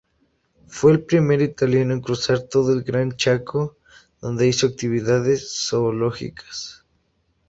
Fue el primer italiano en cruzar todo el Gran Chaco, donde hizo actividades zoológicas.